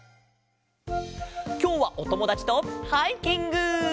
きょうはおともだちとハイキング！